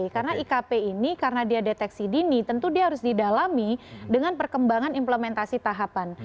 karena ikp ini karena dia deteksi dini tentu dia harus didalami dengan perkembangan implementasi tahapan